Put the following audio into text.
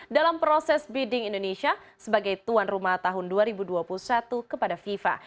dalam proses bidding indonesia sebagai tuan rumah tahun dua ribu dua puluh satu kepada fifa